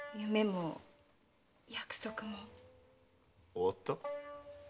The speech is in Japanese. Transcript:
終わった？